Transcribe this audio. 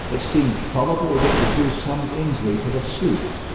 It seemed probable that it would do some injury to the sloop.